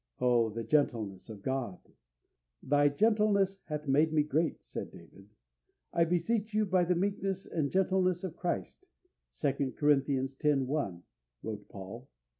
Oh, the gentleness of God! "Thy gentleness hath made me great," said David. "I beseech you by the meekness and gentleness of Christ" (2 Cor. x. 1), wrote Paul.